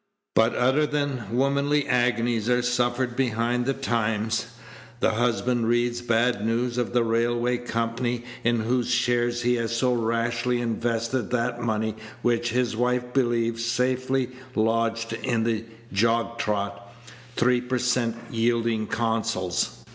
But other than womanly agonies are suffered behind the Times. The husband reads bad news of the railway company in whose shares he has so rashly invested that money which his wife believes safely lodged in the jog trot, three per cent yielding Consols.